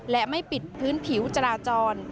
และไม่ปิดพื้นผิวจราจร